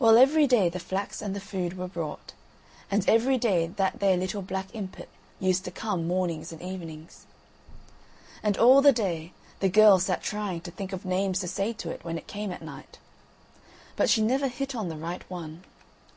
Well, every day the flax and the food were brought, and every day that there little black impet used to come mornings and evenings. And all the day the girl sat trying to think of names to say to it when it came at night. But she never hit on the right one.